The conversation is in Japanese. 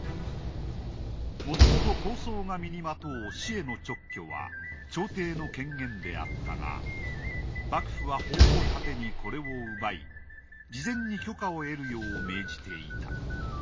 もともと高僧が身にまとう紫衣の勅許は朝廷の権限であったが幕府は法を盾にこれを奪い事前に許可を得るよう命じていた。